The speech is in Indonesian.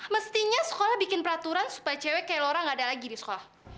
mestinya sekolah bikin peraturan supaya cewek kayak laura gak ada lagi di sekolah